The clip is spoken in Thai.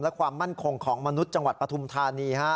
และความมั่นคงของมนุษย์จังหวัดปฐุมธานี